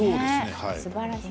すばらしい。